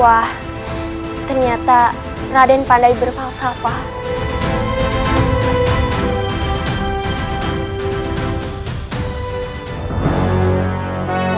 wah ternyata raden pandai berpalsafah